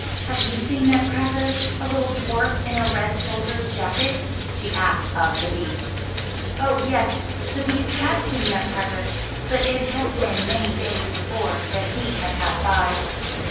Have you seen Nutcracker — a little dwarf in a red soldier's jacket?'* she asked of the bees. Oh, yes the bees had seen Nutcracker, but it had been many days before that he had passed by.